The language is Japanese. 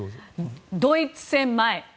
ドイツ戦前。